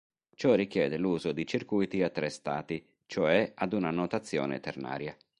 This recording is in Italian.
Ciò richiede l'uso di circuiti a tre stati, cioè ad una notazione ternaria.